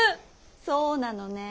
そうなのねえ。